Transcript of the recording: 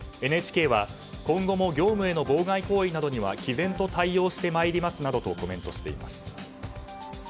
ＮＨＫは今後も業務への妨害行為などには毅然と対応してまいりますなどとコメントしています。